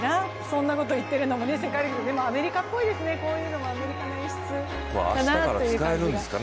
そんなこと言ってるのもね世界陸上アメリカっぽいですよねこういうのもアメリカの演出っていうか。